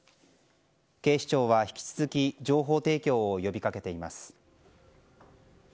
警視庁は引き続き情報提供を呼び掛けています。